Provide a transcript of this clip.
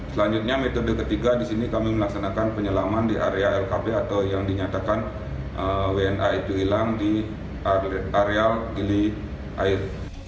selanjutnya metode ketiga di sini kami melaksanakan penyelaman di area lkb atau yang dinyatakan wna itu hilang di area gili air